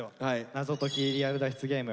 謎解き・リアル脱出ゲーム。